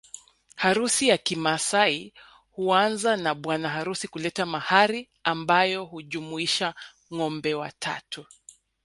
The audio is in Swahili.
Harusi ya kimaasai huanza na bwana harusi kuleta mahari ambayo hujumuisha ngombe watatu